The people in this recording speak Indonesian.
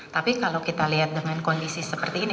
tapi kalau kita lihat dengan kondisi seperti ini